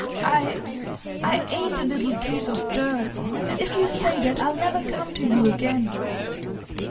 "I—I ain't a little piece of dirt, and if you say that I'll never come to you again."